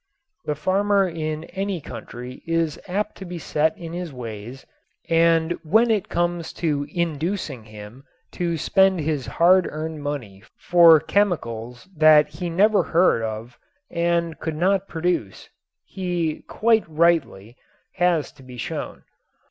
The farmer in any country is apt to be set in his ways and when it comes to inducing him to spend his hard earned money for chemicals that he never heard of and could not pronounce he quite rightly has to be shown.